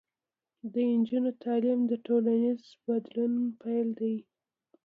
د نجونو تعلیم د ټولنیز بدلون پیل دی.